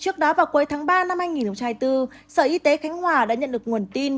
trước đó vào cuối tháng ba năm hai nghìn hai mươi bốn sở y tế khánh hòa đã nhận được nguồn tin